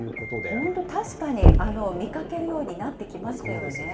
本当、確かに見かけるようになってきましたよね。